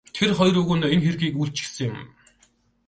Тэр хоёр л уг нь энэ хэргийг үйлдчихсэн юм.